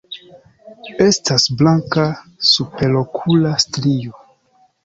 Estas blanka superokula strio.